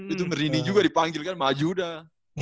itu merinding juga dipanggil kan maju udah